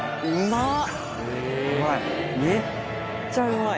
うまい？